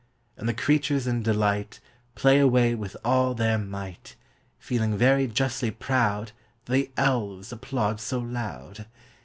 And the creatures in delight Play away with all their might, Feeling very justly proud That the elves applaud so loud.